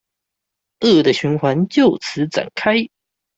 惡的循環就此展開